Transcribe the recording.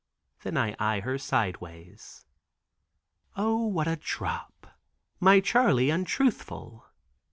Then I eye her sideways. O what a drop! My Charley untruthful!